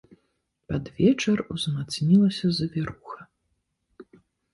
Пад вечар узмацнілася завіруха.